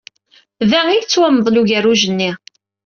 Da i yettwamḍel ugerruj-nni.